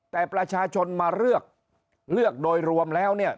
แต่ประชาชนมาเลือกเลือกโดยรวมแล้วเนี่ย